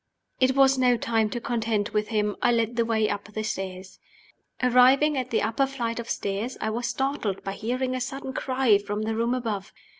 It was no time to contend with him. I led the way up the stairs. Arriving at the upper flight of steps, I was startled by hearing a sudden cry from the room above.